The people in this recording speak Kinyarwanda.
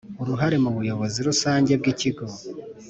Uruhare mu buyobozi rusange bw ikigo